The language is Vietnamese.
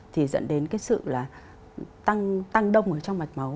thì dẫn đến cái sự là tăng đông ở trong mạch máu